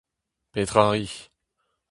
Petra 'ri !